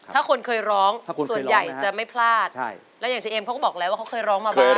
ถ้าคนเคยร้องส่วนใหญ่จะไม่พลาดแล้วอย่างเชเอ็มเขาก็บอกแล้วว่าเขาเคยร้องมาบ้าง